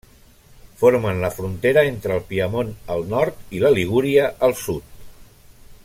Formen la frontera entre el Piemont al nord i la Ligúria al sud.